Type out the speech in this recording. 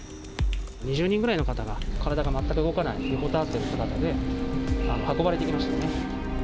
２０人ぐらいの方が、体が全く動かない、横たわっている姿で運ばれていきましたね。